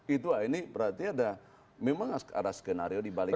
itu lah ini berarti ada skenario dibaliknya